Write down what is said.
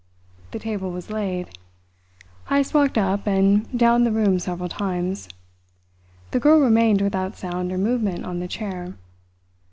The table was laid. Heyst walked up and down the room several times. The girl remained without sound or movement on the chair.